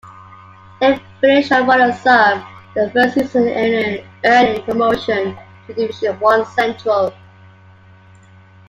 They finished as runners-up in their first season, earning promotion to Division One Central.